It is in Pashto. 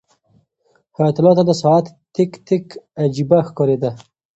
حیات الله ته د ساعت تیک تیک عجیبه ښکارېده.